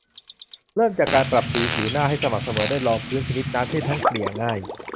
เริ่มจากการปรับสีผิวหน้าให้สม่ำเสมอด้วยรองพื้นชนิดน้ำที่ทั้งเกลี่ยง่าย